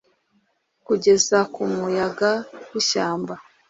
Kugeza ku muyaga wishyamba